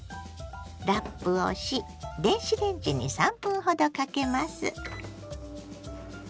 ラップをし電子レンジに３分ほどかけます。